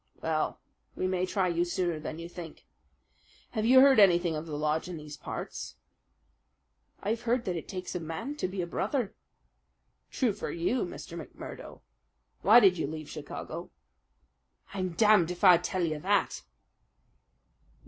"Well, we may try you sooner than you think. Have you heard anything of the lodge in these parts?" "I've heard that it takes a man to be a brother." "True for you, Mr. McMurdo. Why did you leave Chicago?" "I'm damned if I tell you that!"